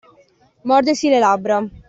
Mordersi le labbra.